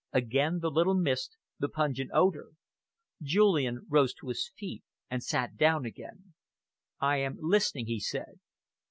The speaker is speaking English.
Again the little mist, the pungent odour. Julian rose to his feet and sat down again. "I am listening," he said.